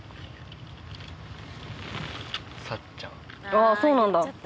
あっそうなんだ。